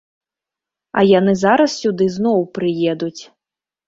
А яны зараз сюды зноў прыедуць.